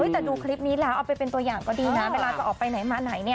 แต่ดูคลิปนี้แล้วเอาไปเป็นตัวอย่างก็ดีนะเวลาจะออกไปไหนมาไหนเนี่ย